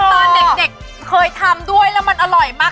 ตอนเด็กเคยทำด้วยแล้วมันอร่อยมาก